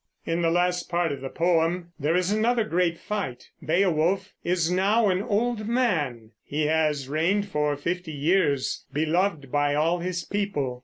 In the last part of the poem there is another great fight. Beowulf is now an old man; he has reigned for fifty years, beloved by all his people.